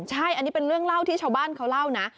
ใช่อันนี้เป็นเรื่องเล่าที่ชาวบ้านเขาเล่านะ